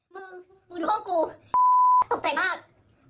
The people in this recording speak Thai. มึงมึงดูห้องกูตกใจมาก